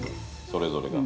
それぞれが。